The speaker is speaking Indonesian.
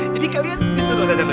jadi kalian disuruh ustazah nurul yuk